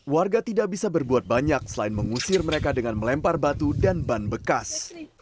warga tidak bisa berbuat banyak selain mengusir mereka dengan melempar batu dan ban bekas